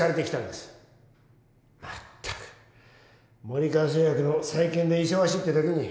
まったく森川製薬の再建で忙しいってときに。